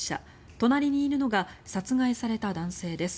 隣にいるのが殺害された男性です。